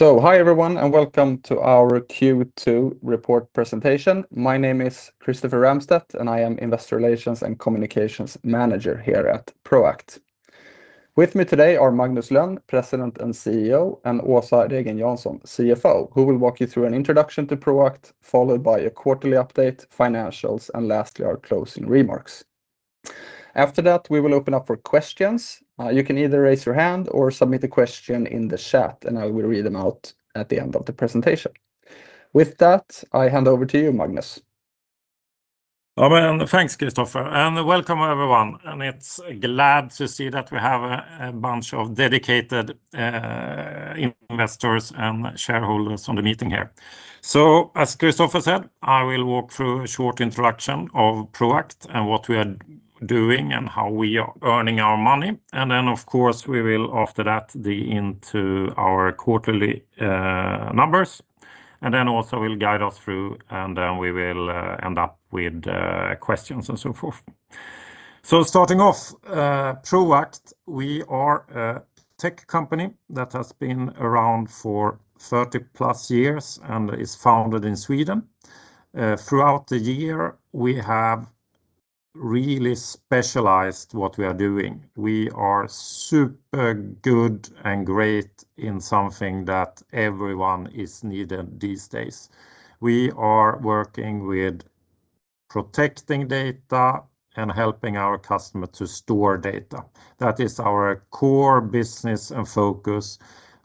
Hi everyone, welcome to our Q2 Report Presentation. My name is Christopher Ramstedt, I am Investor Relations and Communications Manager here at Proact. With me today are Magnus Lönn, President and CEO, Åsa Regen Jansson, CFO, who will walk you through an introduction to Proact, followed by a quarterly update, financials, lastly, our closing remarks. After that, we will open up for questions. You can either raise your hand or submit a question in the chat, I will read them out at the end of the presentation. With that, I hand over to you, Magnus. Thanks, Christopher, welcome everyone. It's glad to see that we have a bunch of dedicated investors and shareholders on the meeting here. As Christopher said, I will walk through a short introduction of Proact, what we are doing, how we are earning our money. Of course, we will after that, dig into our quarterly numbers. Åsa will guide us through, we will end up with questions and so forth. Starting off, Proact, we are a tech company that has been around for 30+ years, is founded in Sweden. Throughout the year, we have really specialized what we are doing. We are super good and great in something that everyone is needing these days. We are working with protecting data and helping our customer to store data. That is our core business and focus,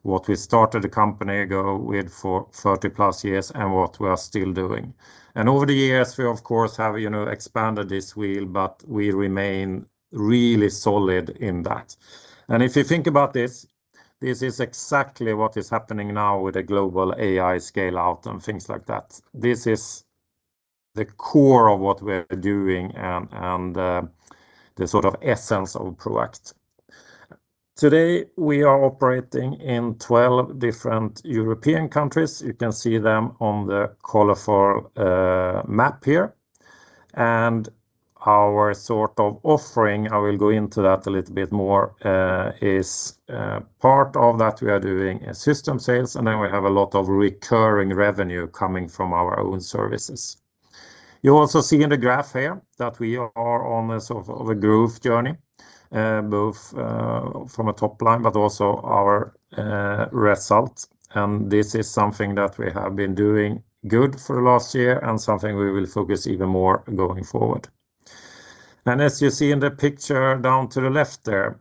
what we started the company ago with for 30+ years, what we are still doing. Over the years, we of course have expanded this wheel, we remain really solid in that. If you think about this is exactly what is happening now with the global AI scale-out and things like that. This is the core of what we're doing and the essence of Proact. Today, we are operating in 12 different European countries. You can see them on the colorful map here. Our offering, I will go into that a little bit more, is part of that we are doing system sales, we have a lot of recurring revenue coming from our own services. You also see in the graph here that we are on a growth journey, both from a top line, also our results. This is something that we have been doing good for the last year, something we will focus even more going forward. As you see in the picture down to the left there,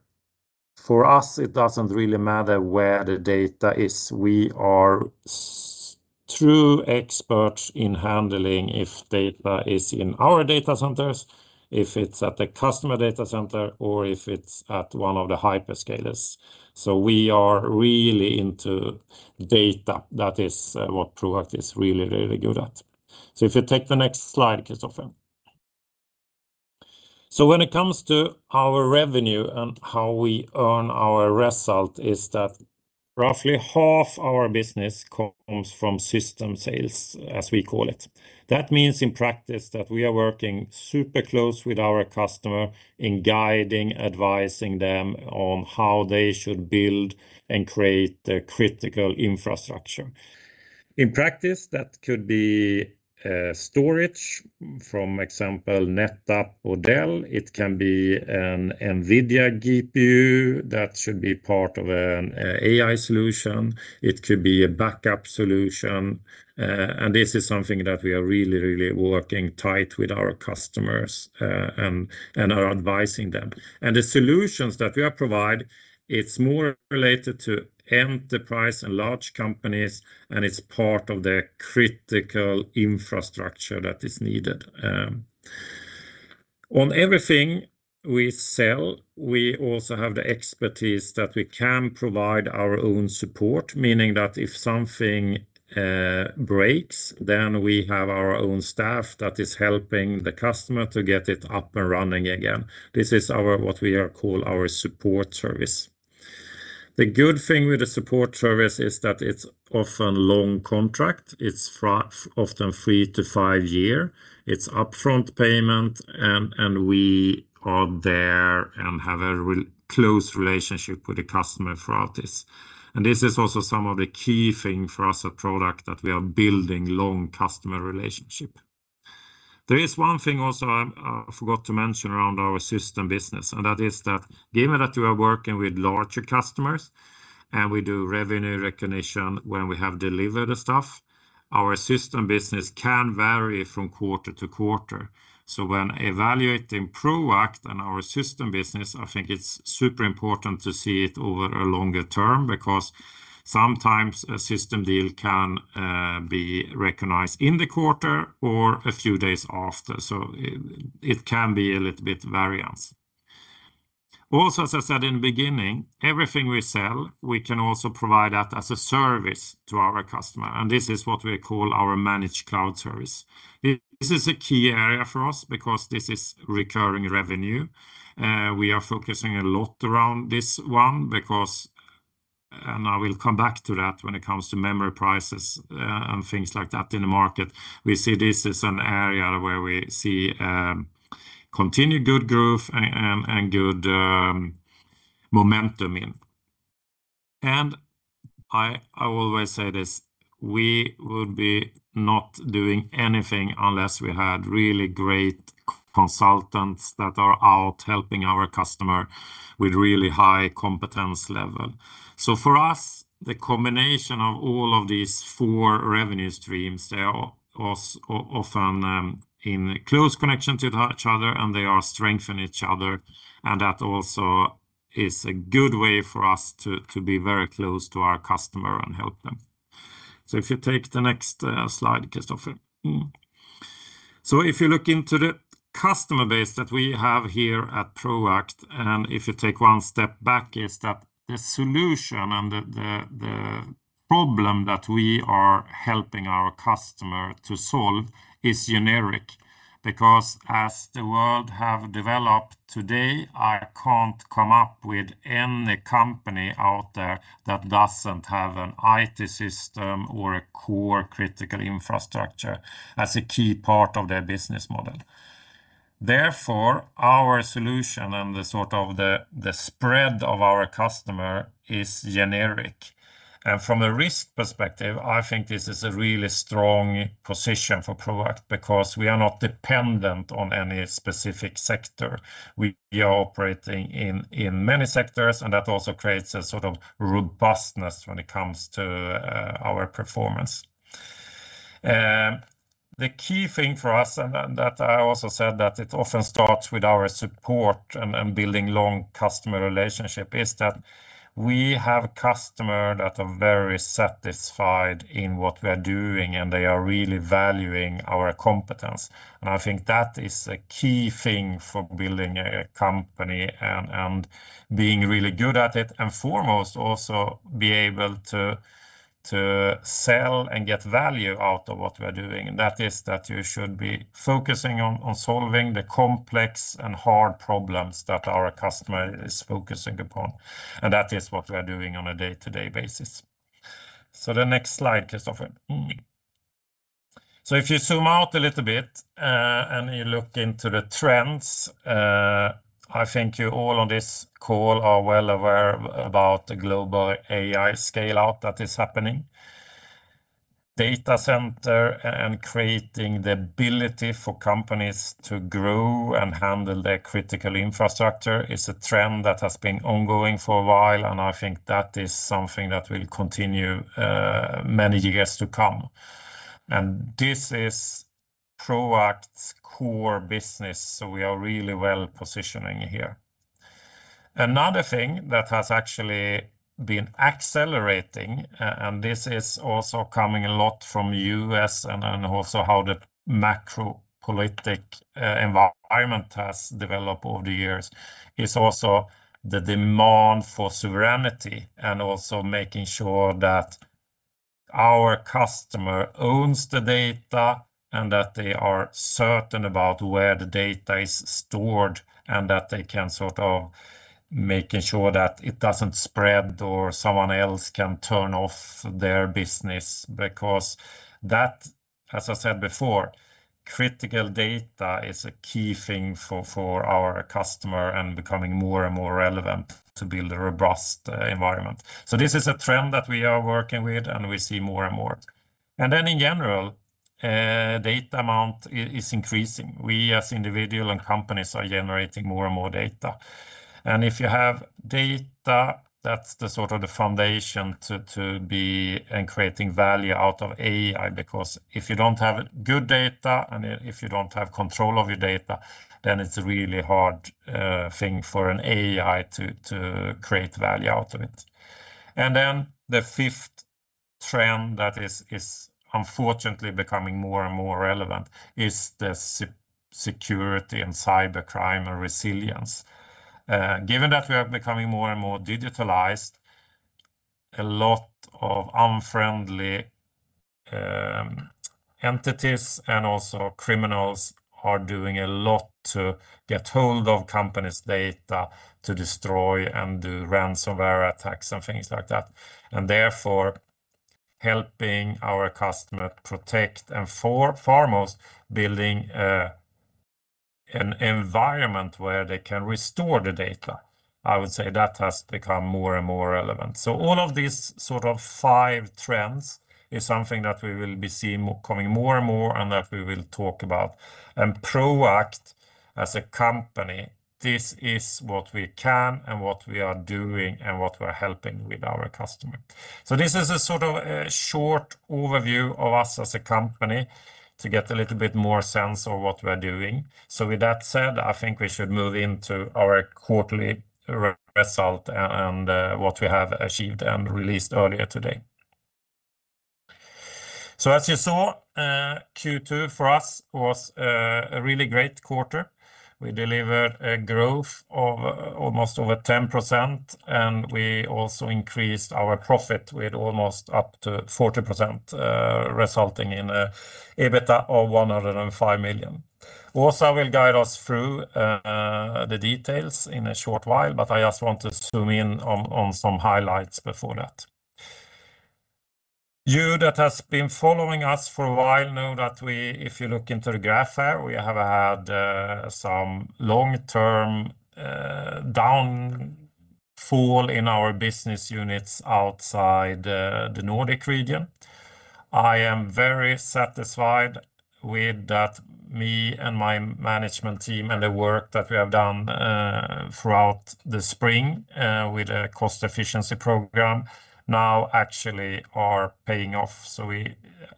for us, it doesn't really matter where the data is. We are true experts in handling if data is in our data centers, if it's at the customer data center, or if it's at one of the hyperscalers. We are really into data. That is what Proact is really, really good at. If you take the next slide, Christopher. When it comes to our revenue and how we earn our result is that roughly half our business comes from system sales, as we call it. That means in practice that we are working super close with our customer in guiding, advising them on how they should build and create the critical infrastructure. In practice, that could be storage from example, NetApp or Dell. It can be an NVIDIA GPU that should be part of an AI solution. It could be a backup solution. This is something that we are really, really working tight with our customers, and are advising them. The solutions that we are provide, it is more related to enterprise and large companies, and it is part of the critical infrastructure that is needed. On everything we sell, we also have the expertise that we can provide our own support, meaning that if something breaks, then we have our own staff that is helping the customer to get it up and running again. This is what we call our Support service. The good thing with the Support service is that it's often long contract. It's often three to five year. It's upfront payment, and we are there and have a close relationship with the customer throughout this. This is also some of the key thing for us at Proact that we are building long customer relationship. There is one thing also I forgot to mention around our Systems business, that is that given that we are working with larger customers and we do revenue recognition when we have delivered the stuff, our Systems business can vary from quarter-to-quarter. When evaluating Proact and our Systems business, I think it's super important to see it over a longer term because sometimes a system deal can be recognized in the quarter or a few days after. It can be a little bit variance. Also, as I said in the beginning, everything we sell, we can also provide that as a service to our customer, this is what we call our Managed Cloud Service. This is a key area for us because this is recurring revenue. We are focusing a lot around this one because, I will come back to that when it comes to memory prices and things like that in the market. We see this as an area where we see continued good growth and good momentum. I always say this, we would be not doing anything unless we had really great consultants that are out helping our customer with really high competence level. For us, the combination of all of these four revenue streams, they are often in close connection to each other and they strengthen each other. That also is a good way for us to be very close to our customer and help them. If you take the next slide, Christopher. If you look into the customer base that we have here at Proact, if you take one step back, is that the solution and the problem that we are helping our customer to solve is generic. As the world have developed today, I can't come up with [any] company out there that doesn't have an IT system or a core critical infrastructure as a key part of their business model. Therefore, our solution and the spread of our customer is generic. From a risk perspective, I think this is a really strong position for Proact because we are not dependent on any specific sector. We are operating in many sectors, that also creates a sort of robustness when it comes to our performance. The key thing for us, that I also said that it often starts with our support and building long customer relationship, is that we have customer that are very satisfied in what we are doing, they are really valuing our competence. I think that is a key thing for building a company and being really good at it. Foremost, also be able to sell and get value out of what we're doing, that is that you should be focusing on solving the complex and hard problems that our customer is focusing upon, and that is what we are doing on a day-to-day basis. The next slide, Christopher. If you zoom out a little bit, and you look into the trends, I think you all on this call are well aware about the global AI scale-out that is happening. Data center and creating the ability for companies to grow and handle their critical infrastructure is a trend that has been ongoing for a while, and I think that is something that will continue many years to come. This is Proact's core business, so we are really well-positioning here. Another thing that has actually been accelerating, and this is also coming a lot from U.S. and also how the macro political environment has developed over the years, is also the demand for sovereignty and also making sure that our customer owns the data and that they are certain about where the data is stored and that they can sort of making sure that it doesn't spread or someone else can turn off their business. That, as I said before, critical data is a key thing for our customer and becoming more and more relevant to build a robust environment. This is a trend that we are working with, and we see more and more. Then in general, data amount is increasing. We as individual and companies are generating more and more data. If you have data, that's the foundation to be and creating value out of AI because if you don't have good data and if you don't have control of your data, then it's a really hard thing for an AI to create value out of it. Then the fifth trend that is unfortunately becoming more and more relevant is the security and cybercrime and resilience. Given that we are becoming more and more digitalized, a lot of unfriendly entities and also criminals are doing a lot to get hold of companies' data to destroy and do ransomware attacks and things like that. Therefore, helping our customer protect and foremost, building an environment where they can restore the data, I would say that has become more and more relevant. All of these five trends is something that we will be seeing coming more and more and that we will talk about. Proact as a company, this is what we can and what we are doing and what we are helping with our customer. This is a sort of a short overview of us as a company to get a little bit more sense of what we're doing. With that said, I think we should move into our quarterly result and what we have achieved and released earlier today. As you saw, Q2 for us was a really great quarter. We delivered a growth of almost over 10%, and we also increased our profit with almost up to 40%, resulting in EBITA of 105 million. Åsa will guide us through the details in a short while, but I just want to zoom in on some highlights before that. You that has been following us for a while know that if you look into the graph here, we have had some long-term downfall in our business units outside the Nordic region. I am very satisfied with that me and my management team and the work that we have done throughout the spring with a cost-efficiency program now actually are paying off. We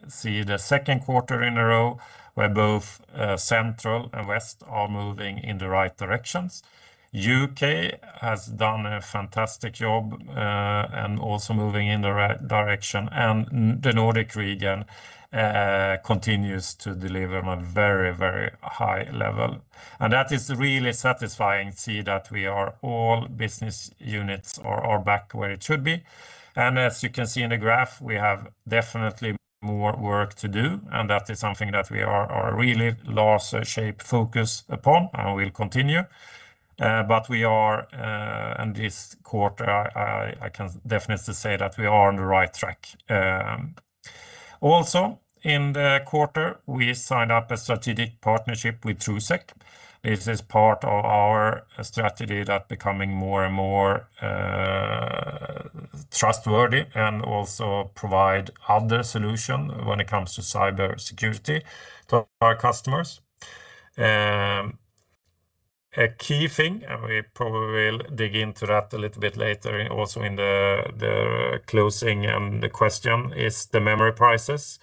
see the second quarter in a row where both Central and West are moving in the right directions. U.K. has done a fantastic job, and also moving in the right direction, and the Nordic region continues to deliver a very high level. That is really satisfying to see that all business units are back where it should be. As you can see in the graph, we have definitely more work to do, and that is something that we are really laser-shaped focused upon, and we'll continue. We are in this quarter, I can definitely say that we are on the right track. Also, in the quarter, we signed up a strategic partnership with Truesec. This is part of our strategy that becoming more and more trustworthy and also provide other solution when it comes to cybersecurity to our customers. A key thing, we probably will dig into that a little bit later also in the closing and the question is the memory prices.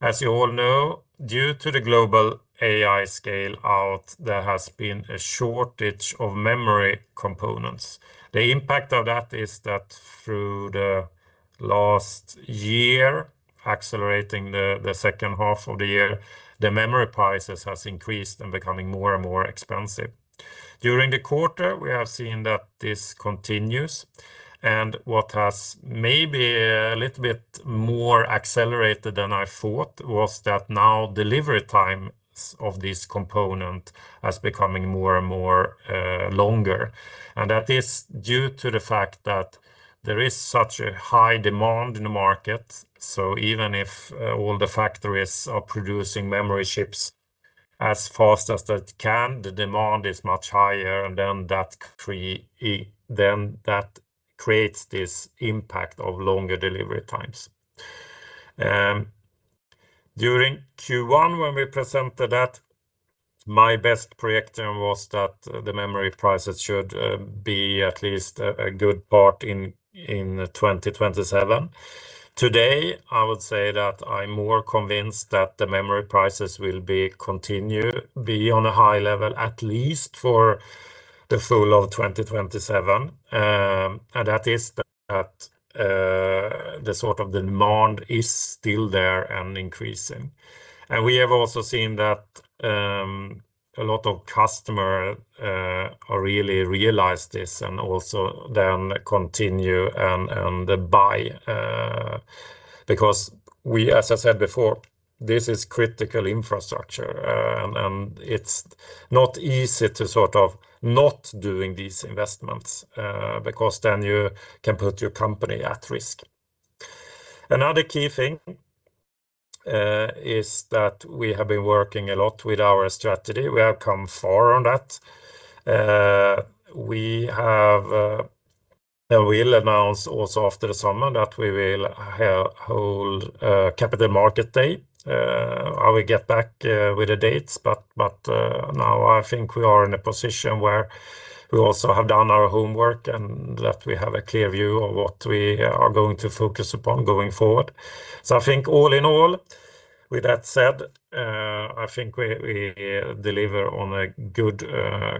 As you all know, due to the global AI scale out, there has been a shortage of memory components. The impact of that is that through the last year, accelerating the second half of the year, the memory prices has increased and becoming more and more expensive. During the quarter, we have seen that this continues, and what has maybe a little bit more accelerated than I thought was that now delivery times of this component is becoming more and more longer. That is due to the fact that there is such a high demand in the market. Even if all the factories are producing memory chips as fast as they can, the demand is much higher, and then that creates this impact of longer delivery times. During Q1 when we presented that, my best projection was that the memory prices should be at least a good part in 2027. Today, I would say that I'm more convinced that the memory prices will continue be on a high level, at least for the full of 2027. That is that the sort of demand is still there and increasing. We have also seen that a lot of customer really realize this and also then continue and buy, because as I said before, this is critical infrastructure, and it's not easy to sort of not doing these investments, because then you can put your company at risk. Another key thing is that we have been working a lot with our strategy. We have come far on that. We have and will announce also after the summer that we will hold a Capital Markets Day. I will get back with the dates, now I think we are in a position where we also have done our homework and that we have a clear view of what we are going to focus upon going forward. I think all in all, with that said, I think we deliver on a good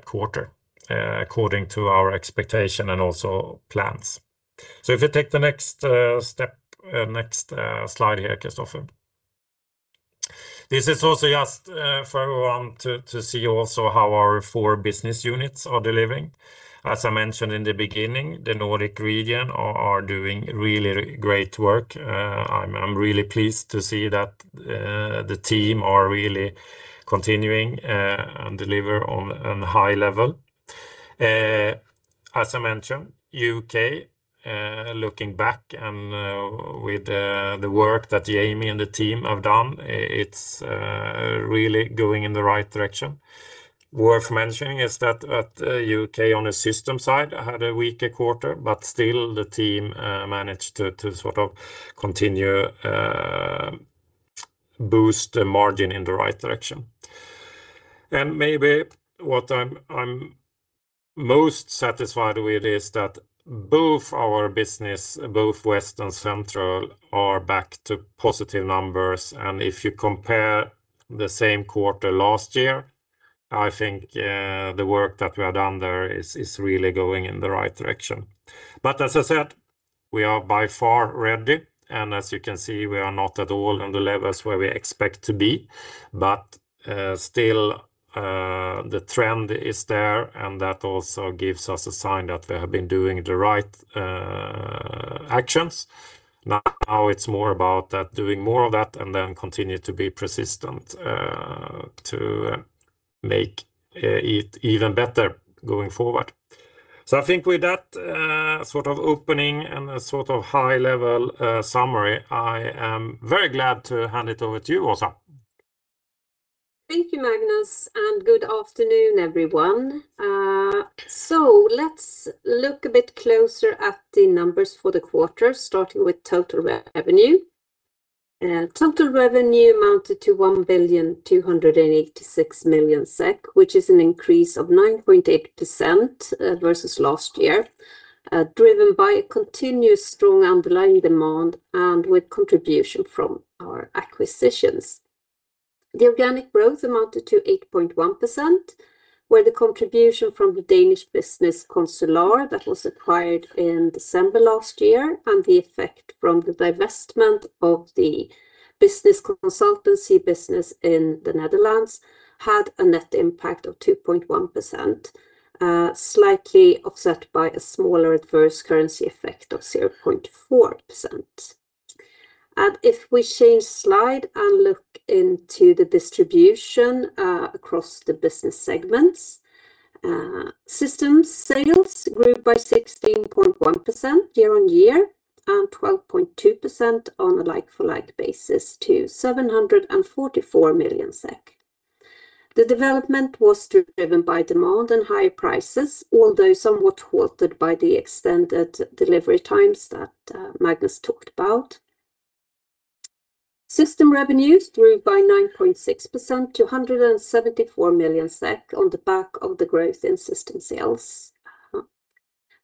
quarter, according to our expectation and also plans. If you take the next slide here, Christopher. This is also just for everyone to see also how our four business units are delivering. As I mentioned in the beginning, the Nordic region are doing really great work. I'm really pleased to see that the team are really continuing and deliver on high level. As I mentioned, U.K., looking back and with the work that Jamie and the team have done, it's really going in the right direction. Worth mentioning is that U.K. on a system side had a weaker quarter, still the team managed to sort of boost the margin in the right direction. Maybe what I'm most satisfied with is that both our business, both West and Central, are back to positive numbers. If you compare the same quarter last year, I think the work that we have done there is really going in the right direction. As I said, we are by far ready, and as you can see, we are not at all on the levels where we expect to be. Still the trend is there, and that also gives us a sign that we have been doing the right actions. Now it's more about doing more of that and then continue to be persistent to make it even better going forward I think with that opening and high level summary, I am very glad to hand it over to you, Åsa. Thank you, Magnus, and good afternoon, everyone. Let's look a bit closer at the numbers for the quarter, starting with total revenue. Total revenue amounted to 1,286 million SEK which is an increase of 9.8% versus last year, driven by a continuous strong underlying demand and with contribution from our acquisitions. The organic growth amounted to 8.1%, where the contribution from the Danish business Consular that was acquired in December last year, and the effect from the divestment of the business consultancy business in the Netherlands had a net impact of 2.1%, slightly offset by a smaller adverse currency effect of 0.4%. If we change slide and look into the distribution across the business segments. System sales grew by 16.1% year-on-year and 12.2% on a like-for-like basis to 744 million SEK. The development was driven by demand and higher prices, although somewhat halted by the extended delivery times that Magnus talked about. System revenues grew by 9.6% to 174 million SEK on the back of the growth in system sales.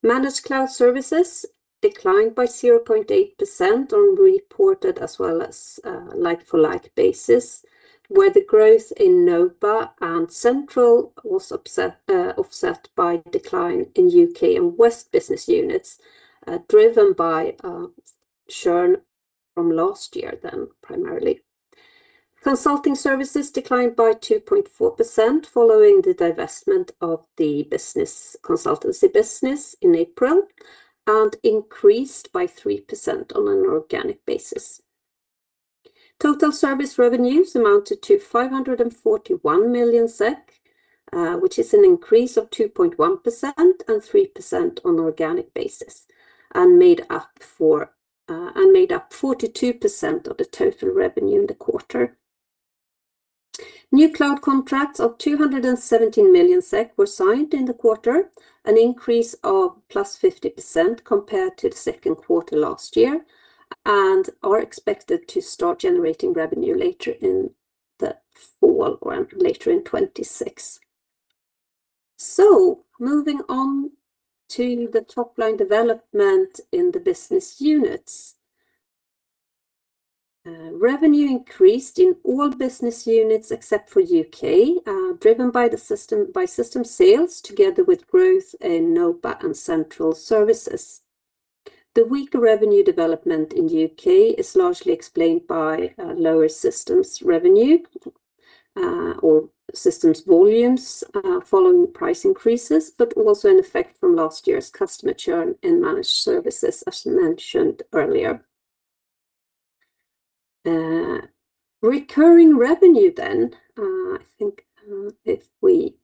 Managed Cloud Services declined by 0.8% on reported as well as like-for-like basis, where the growth in [Nordic and Central] was offset by decline in U.K. and West business units, driven by churn from last year then primarily. Consulting services declined by 2.4% following the divestment of the consultancy business in April and increased by 3% on an organic basis. Total service revenues amounted to 541 million SEK, which is an increase of 2.1% and 3% on organic basis, and made up 42% of the total revenue in the quarter. New cloud contracts of 217 million SEK were signed in the quarter, an increase of +50% compared to the second quarter last year, and are expected to start generating revenue later in the fall or later in 2026. Moving on to the top line development in the business units. Revenue increased in all business units except for U.K., driven by system sales together with growth in [Nordic] and Central services. The weaker revenue development in the U.K. is largely explained by lower system revenue, or system volumes, following price increases, but also an effect from last year's customer churn in Managed services, as mentioned earlier. Recurring revenue then, I think if we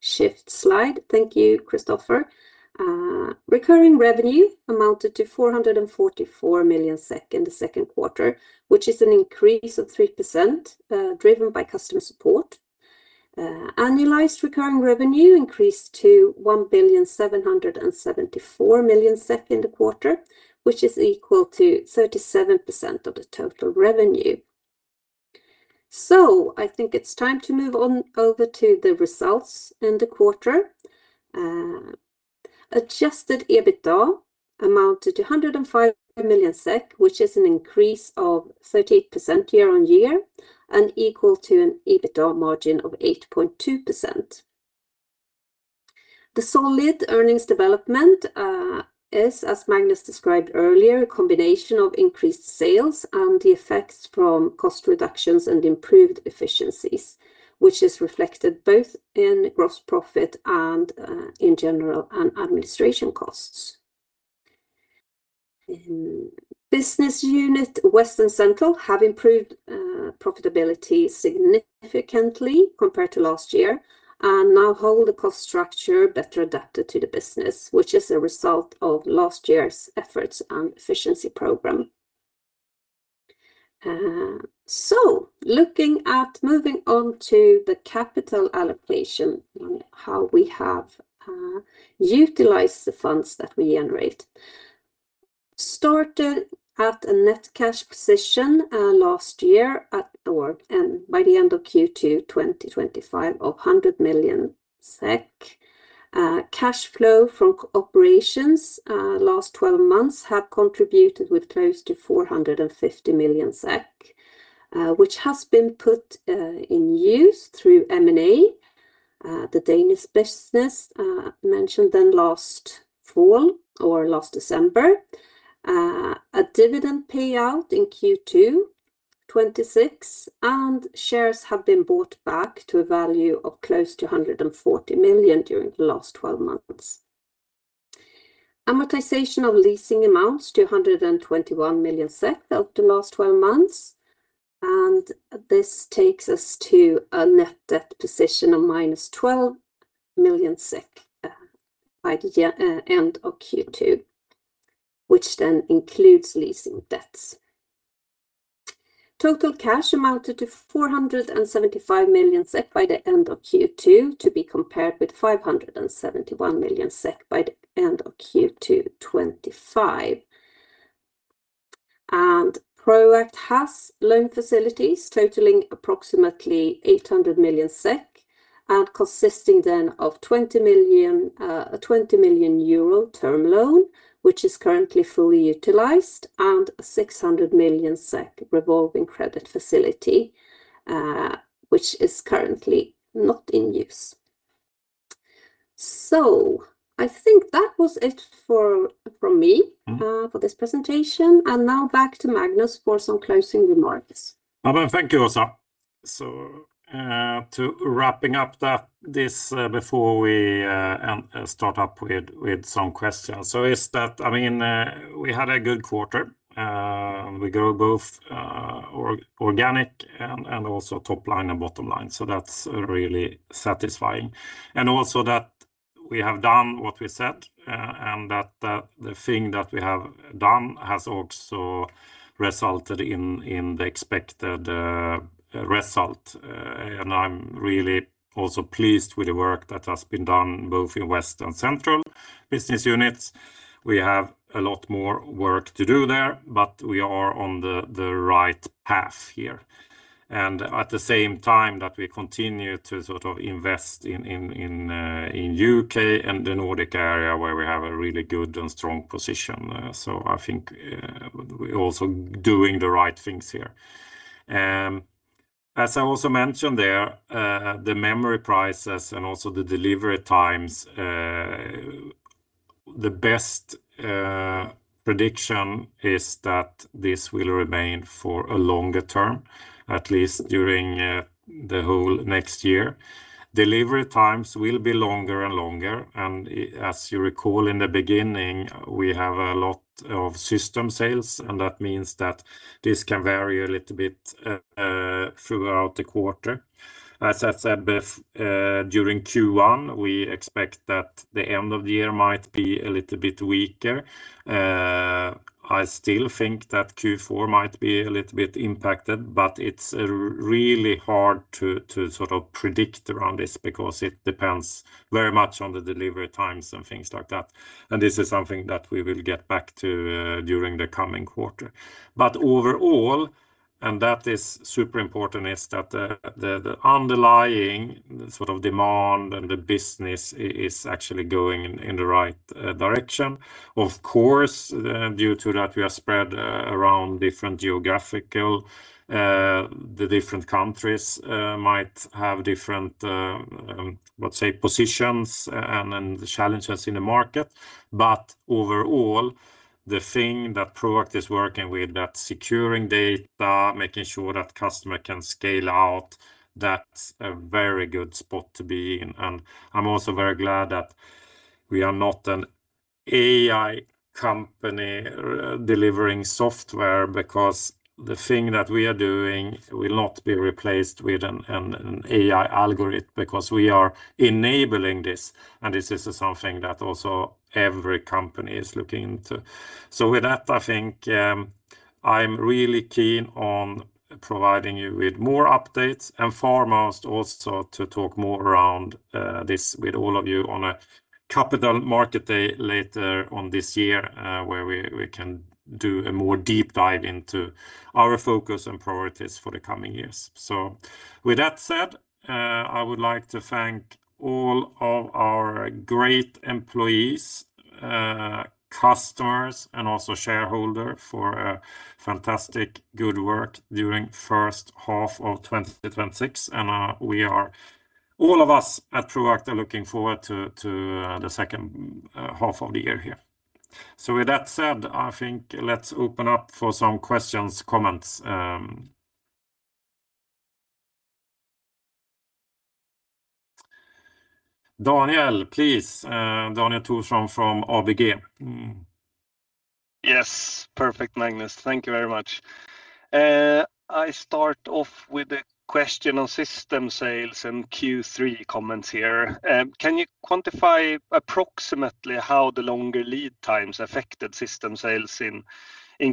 shift slide. Thank you, Christopher. Recurring revenue amounted to 444 million SEK in the second quarter, which is an increase of 3%, driven by customer support. Annualized recurring revenue increased to 1,774 million SEK in the quarter, which is equal to 37% of the total revenue. I think it's time to move on over to the results in the quarter. Adjusted EBITA amounted to 105 million SEK which is an increase of 38% year-on-year and equal to an EBITA margin of 8.2%. The solid earnings development is, as Magnus described earlier, a combination of increased sales and the effects from cost reductions and improved efficiencies, which is reflected both in gross profit and in general and administration costs. Business unit West and Central have improved profitability significantly compared to last year, and now hold a cost structure better adapted to the business, which is a result of last year's efforts and efficiency program. Moving on to the capital allocation and how we have utilized the funds that we generate. Started at a net cash position last year at, or by the end of Q2 2025 of 100 million SEK. Cash flow from operations last 12 months have contributed with close to 450 million SEK, which has been put in use through M&A. The Danish business mentioned last fall or last December, a dividend payout in Q2 2026, and shares have been bought back to a value of close to 140 million during the last 12 months. Amortization of leasing amounts to SEK 121 million of the last 12 months, this takes us to a net debt position of -12 million by the end of Q2, which then includes leasing debts. Total cash amounted to 475 million SEK by the end of Q2, to be compared with 571 million SEK by the end of Q2 2025. Proact has loan facilities totaling approximately 800 million SEK and consisting then of a 20 million euro term loan, which is currently fully utilized, and a 600 million SEK revolving credit facility, which is currently not in use. I think that was it from me for this presentation, now back to Magnus for some closing remarks. Thank you, Åsa. To wrap up this before we start up with some questions. We had a good quarter. We grew both organic and also top line and bottom line. That's really satisfying. Also that we have done what we said and that the thing that we have done has also resulted in the expected result. I'm really also pleased with the work that has been done both in West and Central business units. We have a lot more work to do there, but we are on the right path here. At the same time that we continue to invest in U.K. and the Nordic area where we have a really good and strong position. I think we're also doing the right things here. As I also mentioned there, the memory prices and also the delivery times, the best prediction is that this will remain for a longer term, at least during the whole next year. Delivery times will be longer and longer, as you recall in the beginning, we have a lot of system sales and that means that this can vary a little bit throughout the quarter. As I said before, during Q1, we expect that the end of the year might be a little bit weaker. I still think that Q4 might be a little bit impacted, but it's really hard to predict around this because it depends very much on the delivery times and things like that. This is something that we will get back to during the coming quarter. Overall, and that is super important, is that the underlying demand and the business is actually going in the right direction. Of course, due to that we are spread around different geographical, the different countries might have different positions and the challenges in the market. Overall, the thing that Proact is working with, that securing data, making sure that customer can scale out, that is a very good spot to be in. I am also very glad that we are not an AI company delivering software because the thing that we are doing will not be replaced with an AI algorithm because we are enabling this. This is something that also every company is looking into. With that, I think I am really keen on providing you with more updates and foremost also to talk more around this with all of you on a Capital Markets Day later on this year, where we can do a more deep dive into our focus and priorities for the coming years. With that said, I would like to thank all of our great employees, customers and also shareholder for a fantastic good work during first half of 2026. All of us at Proact are looking forward to the second half of the year here. With that said, I think let us open up for some questions, comments. Daniel, please. Daniel Thorsson from ABG. Yes, perfect, Magnus. Thank you very much. I start off with a question on system sales and Q3 comments here. Can you quantify approximately how the longer lead times affected system sales in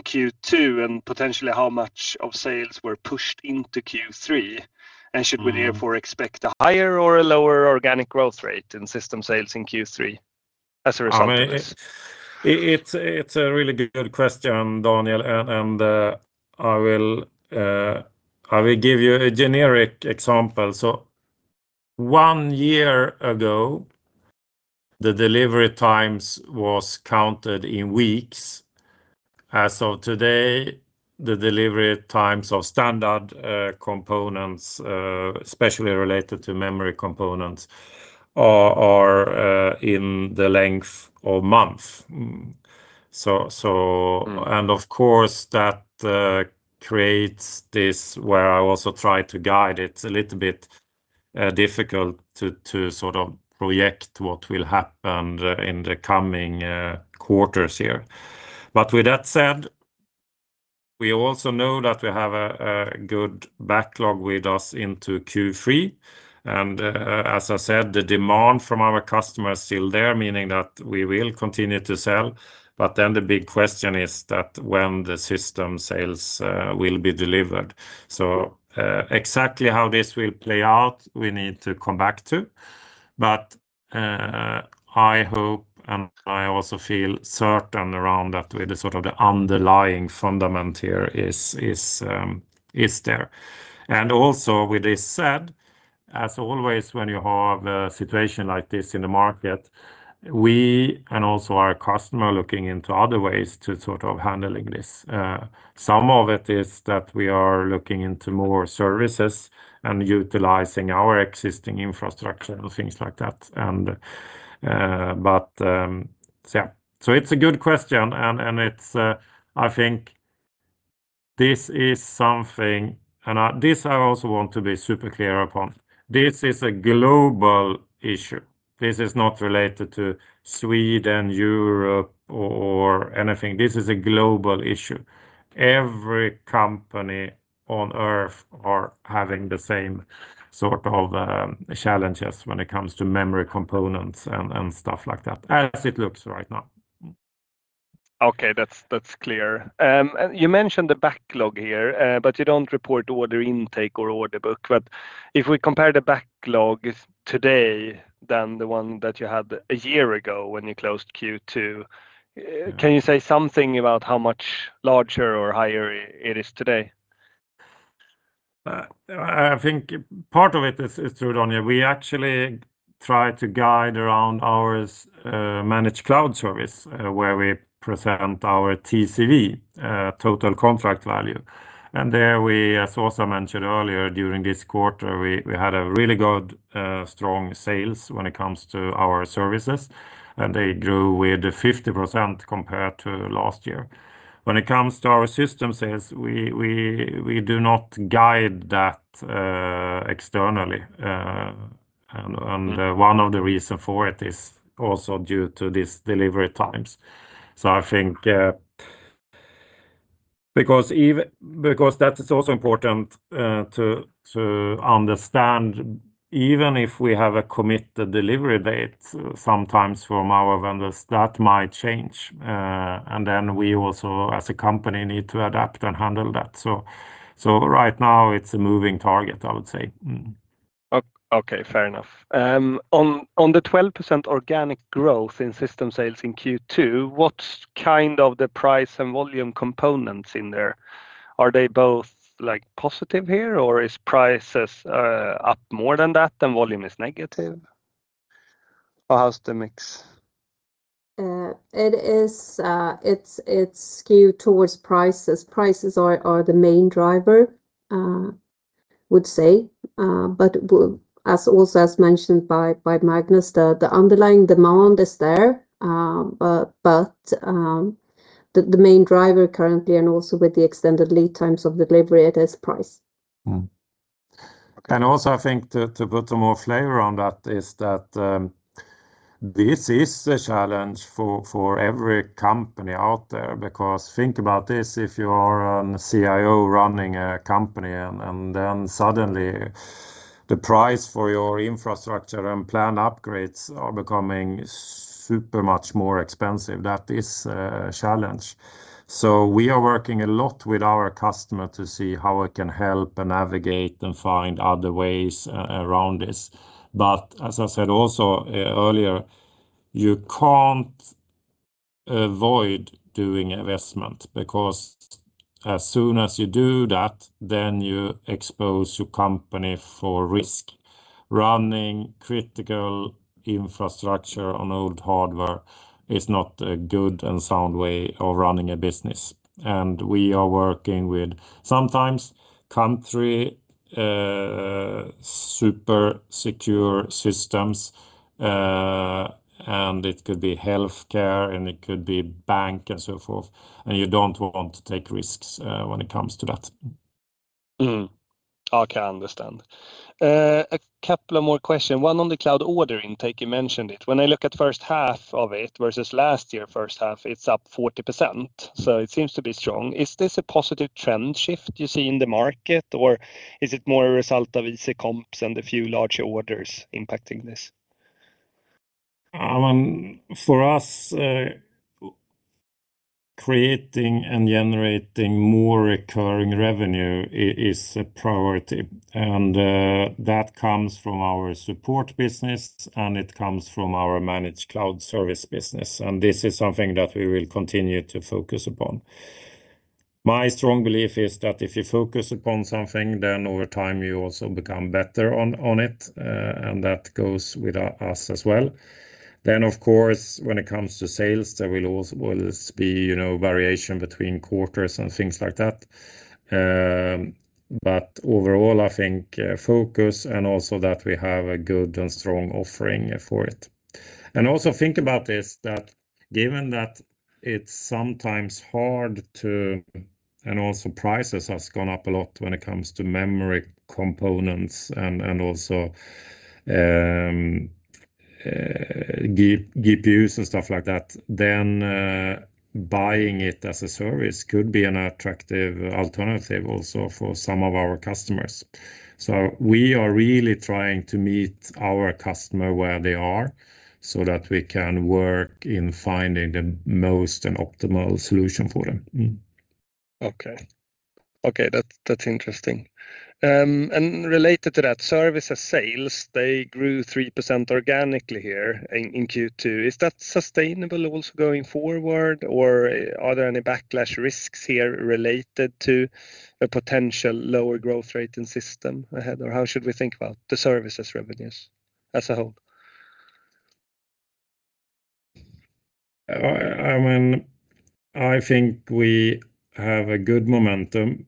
Q2 and potentially how much of sales were pushed into Q3? Should we therefore expect a higher or a lower organic growth rate in system sales in Q3 as a result of this? It is a really good question, Daniel, I will give you a generic example. One year ago, the delivery times was counted in weeks. As of today, the delivery times of standard components, especially related to memory components, are in the length of months. Of course, that creates this, where I also try to guide, it is a little bit difficult to project what will happen in the coming quarters here. With that said, we also know that we have a good backlog with us into Q3. As I said, the demand from our customers is still there, meaning that we will continue to sell. The big question is that when the system sales will be delivered. Exactly how this will play out, we need to come back to. I hope, I also feel certain around that, with the underlying fundament here is there. Also, with this said, as always when you have a situation like this in the market, we and also our customer are looking into other ways to handle this. Some of it is that we are looking into more services and utilizing our existing infrastructure and things like that. It's a good question, I think this is something. This I also want to be super clear upon. This is a global issue. This is not related to Sweden, Europe, or anything. This is a global issue. Every company on Earth is having the same sort of challenges when it comes to memory components and stuff like that, as it looks right now. Okay. That's clear. You mentioned the backlog here, you don't report order intake or order book. If we compare the backlog today than the one that you had a year ago when you closed Q2, can you say something about how much larger or higher it is today? I think part of it is true, Daniel. We actually try to guide around our Managed Cloud Service, where we present our TCV, total contract value. There we, as Åsa mentioned earlier, during this quarter, we had really good, strong sales when it comes to our services, and they grew with 50% compared to last year. When it comes to our system sales, we do not guide that externally. One of the reasons for it is also due to these delivery times. That is also important to understand, even if we have a committed delivery date sometimes from our vendors, that might change. Then we also, as a company, need to adapt and handle that. Right now it's a moving target, I would say. Okay. Fair enough. On the 12% organic growth in system sales in Q2, what's kind of the price and volume components in there? Are they both positive here, or is prices up more than that, volume is negative? How's the mix? It's skewed towards prices. Prices are the main driver, I would say. Also as mentioned by Magnus, the underlying demand is there, the main driver currently and also with the extended lead times of delivery, it is price. Also I think to put some more flavor on that is that this is the challenge for every company out there. Think about this, if you are a CIO running a company and then suddenly the price for your infrastructure and planned upgrades are becoming super much more expensive. That is a challenge. We are working a lot with our customer to see how we can help and navigate and find other ways around this. As I said also earlier, you can't avoid doing investment because as soon as you do that, then you expose your company for risk. Running critical infrastructure on old hardware is not a good and sound way of running a business. We are working with sometimes country super secure systems, and it could be healthcare and it could be bank and so forth, and you don't want to take risks when it comes to that. I can understand. A couple of more questions. One on the cloud order intake, you mentioned it. When I look at the first half of it versus last year first half, it's up 40%, it seems to be strong. Is this a positive trend shift you see in the market, or is it more a result of easy comps and a few larger orders impacting this? For us, creating and generating more recurring revenue is a priority, and that comes from our Support business, and it comes from our Managed Cloud Service business, and this is something that we will continue to focus upon. My strong belief is that if you focus upon something, over time you also become better on it, and that goes with us as well. Of course, when it comes to sales, there will always be variation between quarters and things like that. Overall, I think focus and also that we have a good and strong offering for it. Also think about this, that given that it's sometimes hard. Also prices have gone up a lot when it comes to memory components and also GPUs and stuff like that. Buying it as a service could be an attractive alternative also for some of our customers. We are really trying to meet our customer where they are so that we can work in finding the most and optimal solution for them. Okay. That's interesting. Related to that, services sales, they grew 3% organically here in Q2. Is that sustainable also going forward, or are there any backlash risks here related to a potential lower growth rate in system ahead? How should we think about the services revenues as a whole? I think we have a good momentum,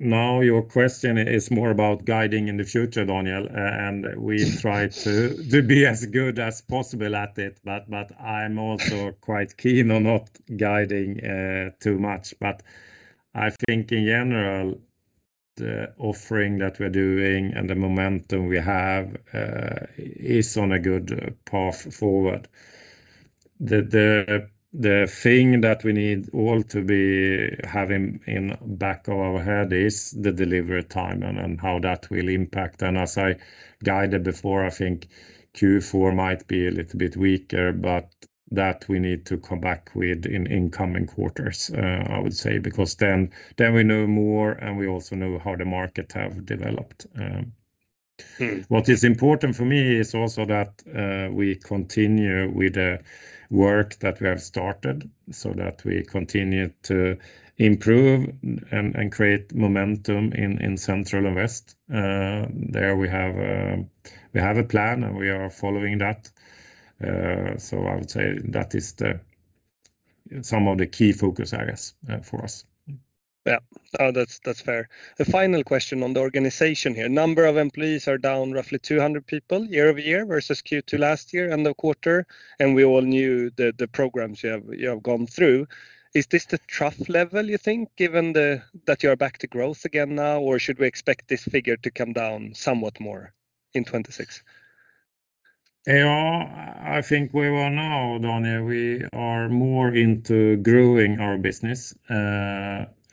now your question is more about guiding in the future, Daniel, and we try to be as good as possible at it. I'm also quite keen on not guiding too much. I think in general, the offering that we're doing and the momentum we have is on a good path forward. The thing that we need all to be having in back of our head is the delivery time and how that will impact. As I guided before, I think Q4 might be a little bit weaker, but that we need to come back with in incoming quarters, I would say, because then we know more, and we also know how the market have developed. What is important for me is also that we continue with the work that we have started so that we continue to improve and create momentum in Central and West. There we have a plan, and we are following that. I would say that is some of the key focus areas for us. Yeah. That's fair. The final question on the organization here. Number of employees are down roughly 200 people year-over-year versus Q2 last year and the quarter. We all knew the programs you have gone through. Is this the trough level, you think, given that you are back to growth again now, or should we expect this figure to come down somewhat more in 2026? I think we will now, Daniel. We are more into growing our business.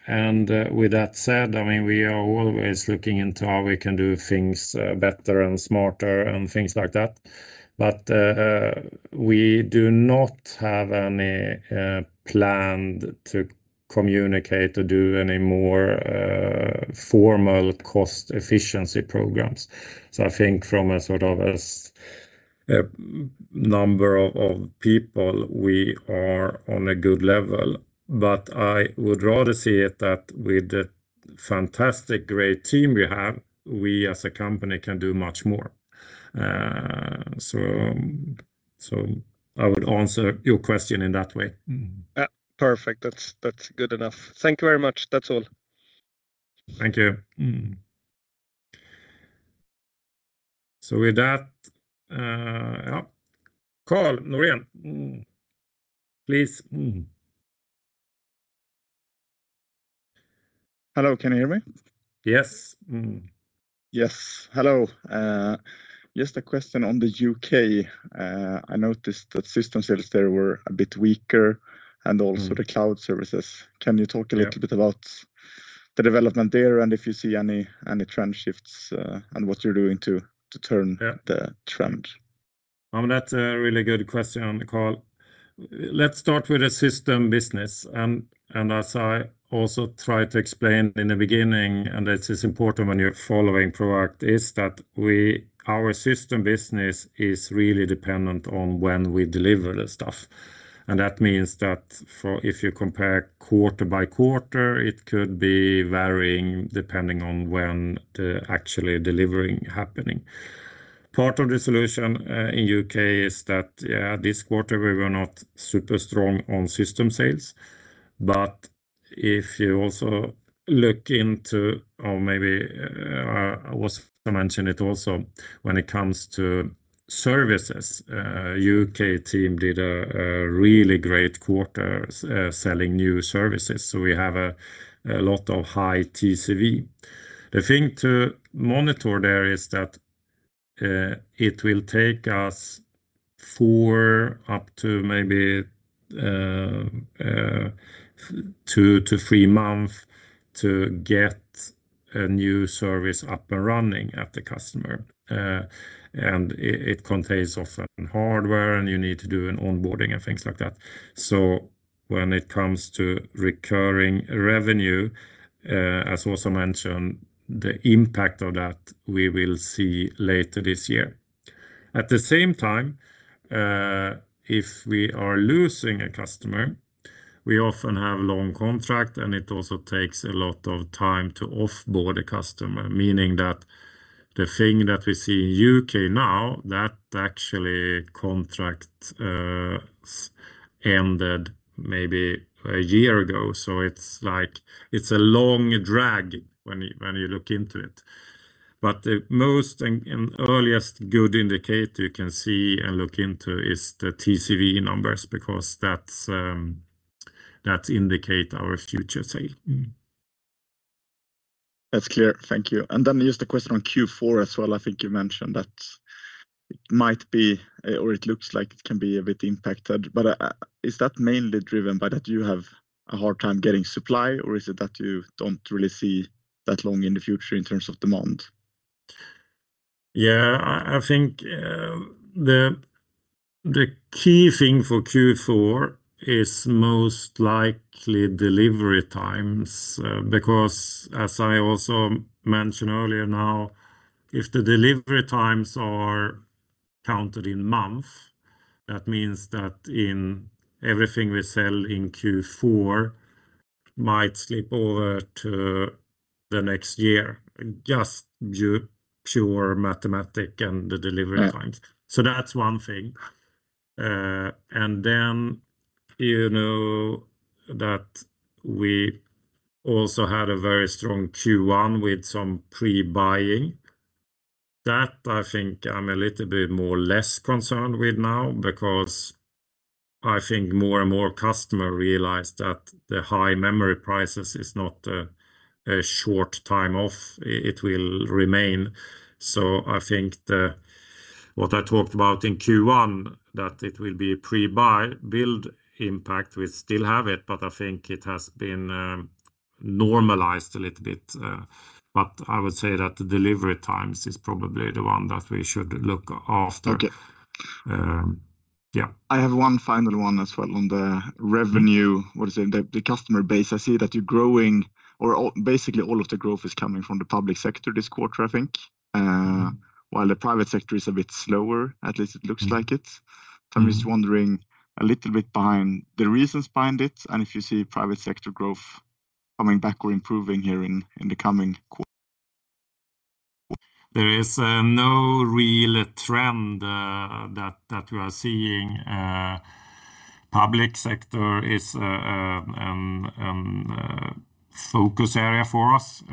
With that said, we are always looking into how we can do things better and smarter and things like that. We do not have any plan to communicate or do any more formal cost-efficiency programs. I think from a number of people, we are on a good level, but I would rather say that with the fantastic, great team we have, we as a company can do much more. I would answer your question in that way. Perfect. That's good enough. Thank you very much. That's all. Thank you. With that, Karl Norén. Please. Hello, can you hear me? Yes. Yes. Hello. Just a question on the U.K. I noticed that system sales there were a bit weaker and also the Cloud services. Can you talk a little bit about the development there and if you see any trend shifts and what you're doing to turn the trend? That's a really good question, Karl. Let's start with the Systems business. As I also tried to explain in the beginning, this is important when you're following Proact, is that our Systems business is really dependent on when we deliver the stuff. That means that if you compare quarter-by-quarter, it could be varying depending on when the actual delivery happening. Part of the solution in U.K. is that this quarter, we were not super strong on system sales. If you also look into, or maybe I also mentioned it also, when it comes to services, U.K. team did a really great quarter selling new services. We have a lot of high TCV. The thing to monitor there is that it will take us four up to maybe two to three months to get a new service up and running at the customer. It contains often hardware, and you need to do an onboarding and things like that. When it comes to recurring revenue, as Åsa mentioned, the impact of that, we will see later this year. At the same time, if we are losing a customer, we often have long contract, and it also takes a lot of time to off-board a customer, meaning that the thing that we see in U.K. now, that actually contract ended maybe a year ago. It's a long drag when you look into it. The most and earliest good indicator you can see and look into is the TCV numbers, because that indicate our future sale. That's clear. Thank you. Just a question on Q4 as well. I think you mentioned that it looks like it can be a bit impacted, is that mainly driven by that you have a hard time getting supply, or is it that you don't really see that long in the future in terms of demand? I think the key thing for Q4 is most likely delivery times, as I also mentioned earlier now, if the delivery times are counted in month, that means that everything we sell in Q4 might slip over to the next year, just pure mathematics and the delivery times. Yeah. That's one thing. You know that we also had a very strong Q1 with some pre-buying. That I think I'm a little bit less concerned with now because I think more and more customers realize that the high memory prices is not a short time off. It will remain. I think what I talked about in Q1, that it will be pre-buy build impact, we still have it, I think it has been normalized a little bit. I would say that the delivery times is probably the one that we should look after. Okay. Yeah. I have one final one as well on the revenue. What is it? The customer base. I see that you're growing, or basically all of the growth is coming from the public sector this quarter, I think. While the private sector is a bit slower, at least it looks like it. I'm just wondering a little bit the reasons behind it, and if you see private sector growth coming back or improving here in the coming quarter. There is no real trend that we are seeing. Public sector is a focus area for us.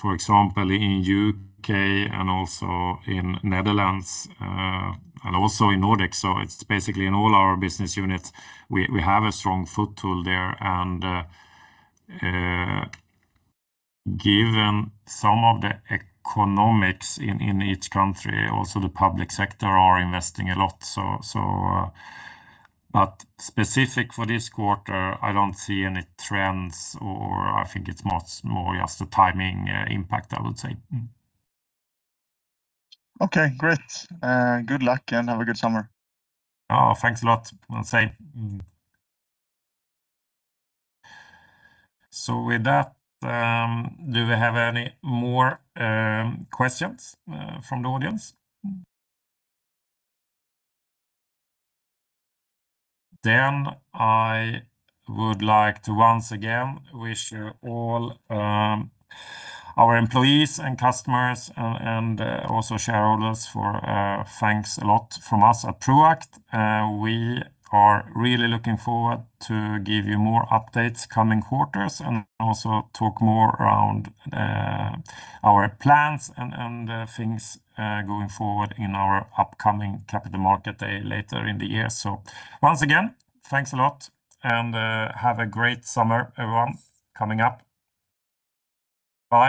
For example, in U.K. and also in Netherlands, and also in Nordic. It's basically in all our business units. We have a strong foothold there, and given some of the economics in each country, also the public sector are investing a lot. Specific for this quarter, I don't see any trends, or I think it's more just the timing impact, I would say. Okay, great. Good luck and have a good summer. Oh, thanks a lot. Same. With that, do we have any more questions from the audience? I would like to once again wish all our employees and customers, and also shareholders, thanks a lot from us at Proact. We are really looking forward to give you more updates coming quarters and also talk more around our plans and the things going forward in our upcoming Capital Markets Day later in the year. Once again, thanks a lot, and have a great summer, everyone, coming up. Bye